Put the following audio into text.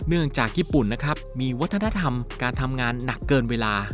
เนื่องจากญี่ปุ่นนะครับมีวัฒนธรรมการทำงานหนักเกินเวลา